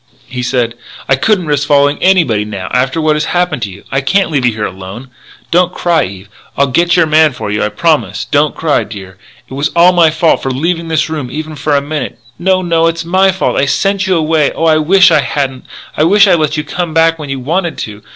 He said: "I couldn't risk following anybody now, after what has happened to you. I can't leave you alone here! Don't cry, Eve. I'll get your man for you, I promise! Don't cry, dear. It was all my fault for leaving this room even for a minute " "No, no, no! It's my fault. I sent you away. Oh, I wish I hadn't. I wish I had let you come back when you wanted to....